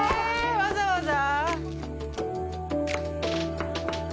わざわざ？